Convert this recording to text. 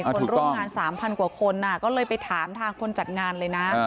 คนร่วมงาน๓๐๐กว่าคนก็เลยไปถามทางคนจัดงานเลยนะ